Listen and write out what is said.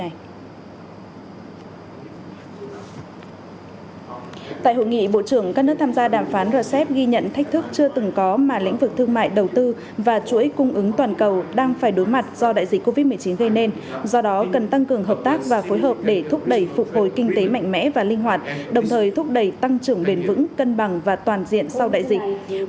hội nghị bộ trưởng các nước tham gia đàm phán rcep ghi nhận thách thức chưa từng có mà lĩnh vực thương mại đầu tư và chuỗi cung ứng toàn cầu đang phải đối mặt do đại dịch covid một mươi chín gây nên do đó cần tăng cường hợp tác và phối hợp để thúc đẩy phục hồi kinh tế mạnh mẽ và linh hoạt đồng thời thúc đẩy tăng trưởng bền vững cân bằng và toàn diện sau đại dịch